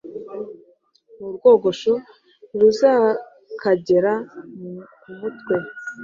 n'urwogosho ntiruzakagere ku mutwe